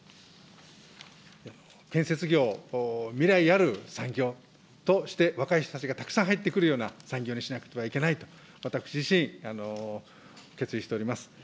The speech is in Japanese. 建設業、未来ある産業として、若い人たちがたくさん入ってくるような産業にしなくてはいけないと、私自身、決意しております。